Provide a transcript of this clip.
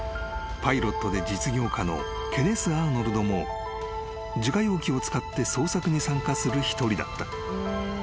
［パイロットで実業家のケネス・アーノルドも自家用機を使って捜索に参加する一人だった］